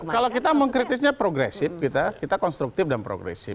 kalau kita mengkritisnya progresif kita konstruktif dan progresif